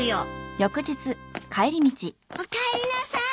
おかえりなさい。